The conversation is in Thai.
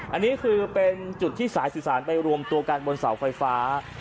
อันนี้คือเป็นจุดที่สายสื่อสารไปรวมตัวกันบนเสาไฟฟ้า